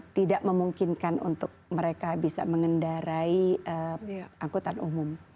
tidak memungkinkan untuk mereka bisa mengendarai angkutan umum